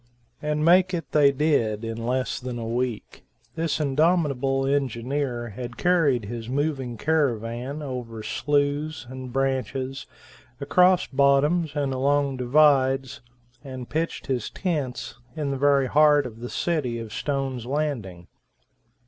And make it they did. In less than a week, this indomitable engineer had carried his moving caravan over slues and branches, across bottoms and along divides, and pitched his tents in the very heart of the city of Stone's Landing.